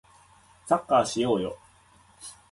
サッカーしようよ